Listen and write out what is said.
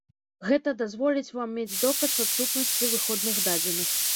Гэта дазволіць вам мець доказ адсутнасці выходных дадзеных.